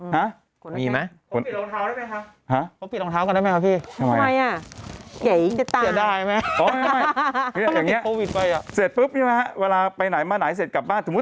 หูเปิดนาแข้ง